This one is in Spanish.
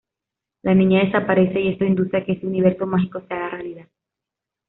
La niña desaparece y esto induce a que ese universo mágico se haga realidad.